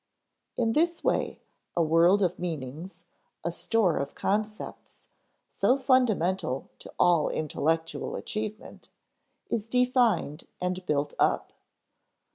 In this way, a world of meanings, a store of concepts (so fundamental to all intellectual achievement), is defined and built up.